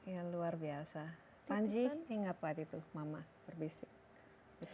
ya luar biasa panji ingat waktu itu mama berbisik